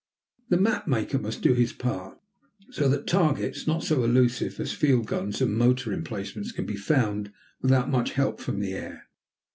The map maker must do his part, so that targets not so elusive as field guns and motor emplacements can be found without much help from the air.